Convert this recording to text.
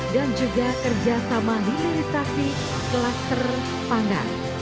dan juga kerjasama di universitas kelas terpandang